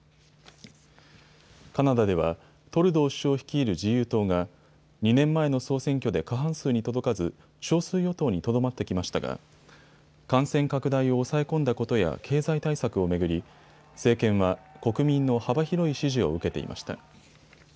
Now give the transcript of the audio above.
カナダではトルドー首相率いる自由党が２年前の総選挙で過半数に届かず少数与党にとどまってきましたが感染拡大を抑え込んだことや経済対策を巡り政権は国民の幅広い支持を受けていました。